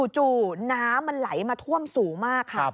จู่น้ำมันไหลมาท่วมสูงมากค่ะ